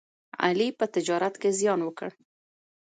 علي په تجارت کې زیان وکړ.